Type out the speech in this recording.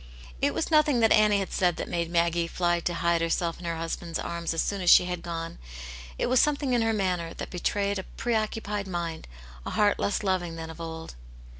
It was nothing that Annie had said that made Maggie fly to hide her$elf in her husband's arms as soon as she had gone ; it was something in her manner that betrayed a preoccupied mind, a heart less loving than of old.